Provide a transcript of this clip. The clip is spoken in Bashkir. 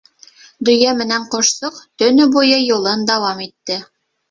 Дөйә менән ҡошсоҡ төнө буйы юлын дауам итте.